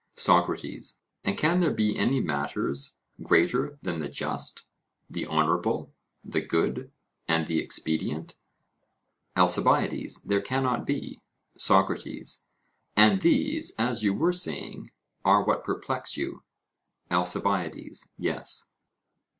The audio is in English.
SOCRATES: And can there be any matters greater than the just, the honourable, the good, and the expedient? ALCIBIADES: There cannot be. SOCRATES: And these, as you were saying, are what perplex you? ALCIBIADES: Yes.